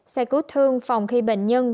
sẽ cứu thương phòng khi bệnh nhân